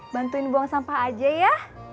bantuin buang sampah aja ya